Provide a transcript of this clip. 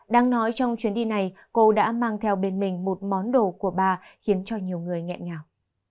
đang nói trong chuyến đi này cô đã mang theo bên mình một món đồ của bà khiến cho nhiều người nghẹn ngào